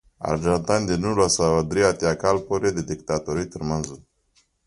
ارجنټاین د نولس سوه درې اتیا کال پورې د دیکتاتورۍ ترمنځ و.